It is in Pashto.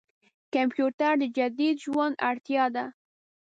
کمپيوټر د جديد ژوند اړتياده.